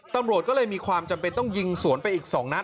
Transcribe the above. ตำรวจก็เลยมีความจำเป็นต้องยิงสวนไปอีก๒นัด